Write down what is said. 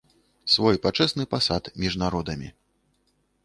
Свой пачэсны пасад між народамі!